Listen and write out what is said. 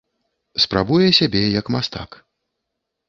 Спрабуе сябе як мастак.